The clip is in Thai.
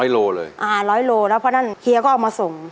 โลเลยอ่าร้อยโลแล้วเพราะฉะนั้นเฮียก็เอามาส่ง